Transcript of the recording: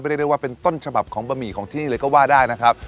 เรียกได้ว่าเป็นต้นฉบับของบะหมี่ของที่นี่เลยก็ว่าได้นะครับ